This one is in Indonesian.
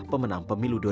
pemenang pemilu dpr